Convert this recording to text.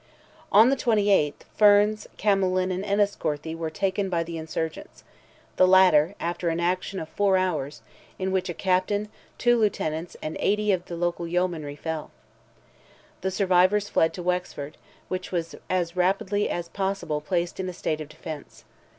On the 28th, Ferns, Camolin, and Enniscorthy were taken by the insurgents; the latter, after an action of four hours, in which a captain, two lieutenants, and eighty of the local yeomanry fell. The survivors fled to Wexford, which was as rapidly as possible placed in a state of defence.